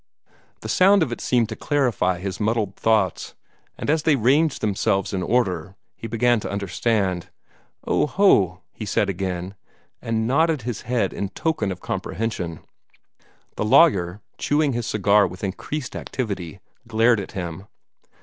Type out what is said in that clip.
The sound of it seemed to clarify his muddled thoughts; and as they ranged themselves in order, he began to understand. "Oh ho!" he said again, and nodded his head in token of comprehension. The lawyer, chewing his cigar with increased activity, glared at him.